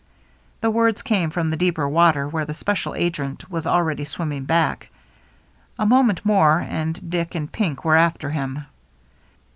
The words came from the deeper water, where the special agent was already swimming back. A moment more and Dick and Pink were after him.